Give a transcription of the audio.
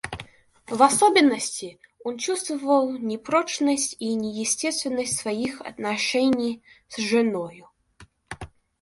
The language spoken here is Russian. В особенности он чувствовал непрочность и неестественность своих отношений с женою.